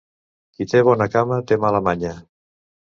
Qui té bona cama, té mala manya.